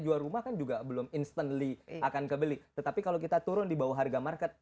jual rumah kan juga belum instantly akan kebeli tetapi kalau kita turun di bawah harga market